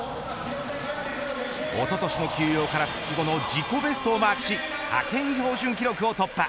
おととしの休養から復帰後の自己ベストをマークし派遣標準記録を突破。